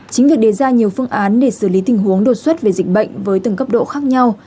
chính việc đề ra nhiều phương án để xử lý tình huống đột xuất về dịch bệnh với từng cấp độ khác nhau